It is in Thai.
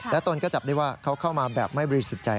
และตนก็จับได้ว่าเขาเข้ามาแบบไม่บริสุจัย